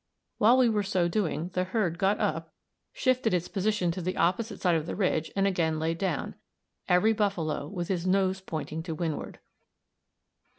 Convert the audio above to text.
While we were so doing, the herd got up, shifted its position to the opposite side of the ridge, and again laid down, every buffalo with his nose pointing to windward.